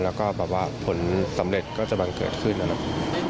แล้วก็แบบว่าผลสำเร็จก็จะบังเกิดขึ้นนะครับ